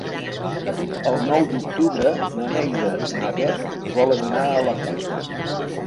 El nou d'octubre na Neida i na Bet volen anar a la platja.